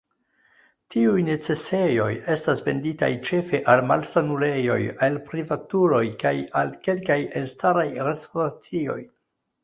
Tiuj necesejoj estas venditaj ĉefe al malsanulejoj, al privatuloj kaj al kelkaj elstaraj restoracioj.